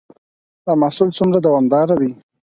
دا محصول څومره دوامدار دی؟